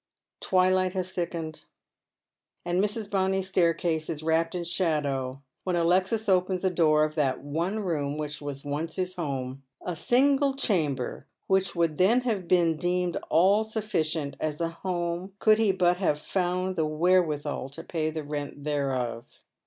TAvilighthas thickened, and Mrs. Bonny's staircase is wrapped in shadow when Alexis opens the door of that one room which was once his home — a single chamber wl;ick would then have been deemed all sufficient as a home could he but have found the wherewithal to pay the rent thereof.